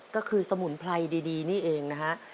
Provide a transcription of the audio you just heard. ก็คือสมุนไพรดีนี่เองนะฮะ